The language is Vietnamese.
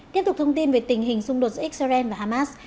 tiếp tục thông tin về tình hình xung đột giữa israel và hamas